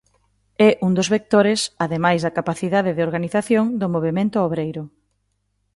É un dos vectores, ademais da capacidade de organización do movemento obreiro.